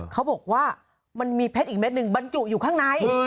เขาบอกว่ามันมีเพชรอีกเม็ดหนึ่งบรรจุอยู่ข้างใน